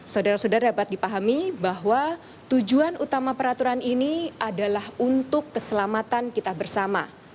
saudara saudara dapat dipahami bahwa tujuan utama peraturan ini adalah untuk keselamatan kita bersama